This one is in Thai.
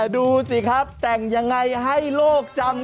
ดูสิครับแต่งยังไงให้โลกจำ